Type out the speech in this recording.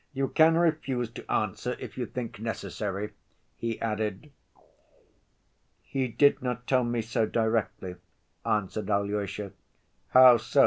"You can refuse to answer if you think necessary," he added. "He did not tell me so directly," answered Alyosha. "How so?